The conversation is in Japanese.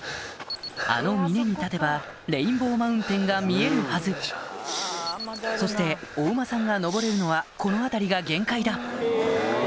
あの峰に立てばレインボーマウンテンが見えるはずそしてお馬さんが登れるのはこの辺りが限界だ